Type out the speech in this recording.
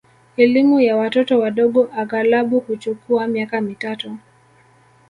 Elimu ya watoto wadogo aghalabu huchukua miaka mitatu